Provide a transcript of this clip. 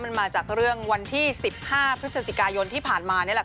มันมาจากเรื่องวันที่สิบห้าพฤศจิกายนที่ผ่านมาเนี้ยแหละ